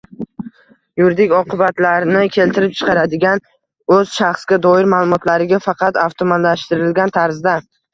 yuridik oqibatlarni keltirib chiqaradigan o‘z shaxsga doir ma’lumotlariga faqat avtomatlashtirilgan tarzda